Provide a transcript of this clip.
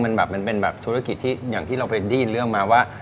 มันแบบมันเป็นแบบธุรกิจที่อย่างที่เราไปได้ยินเรื่องมาว่า